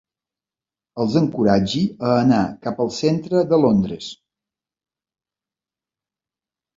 Els encoratgi a anar cap al centre de Londres.